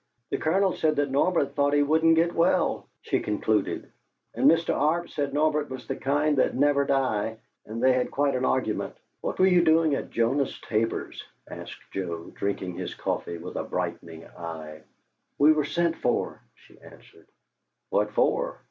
"The Colonel said that Norbert thought he wouldn't get well," she concluded; "and Mr. Arp said Norbert was the kind that never die, and they had quite an argument." "What were you doing at Jonas Tabor's?" asked Joe, drinking his coffee with a brightening eye. "We were sent for," she answered. "What for?"